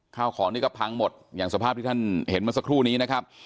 ข้าวของนี่ก็พังหมดอย่างสภาพที่ท่านเห็นเมื่อสักครู่นี้นะครับ